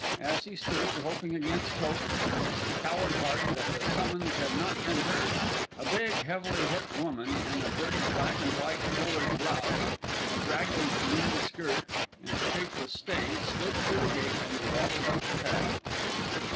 As he stood, hoping against hope in his coward heart that the summons had not been heard, a big, heavily hipped woman, in a dirty black and white foulard blouse, a draggled green skirt, and shapeless stays, slid through the gate and waddled up the path.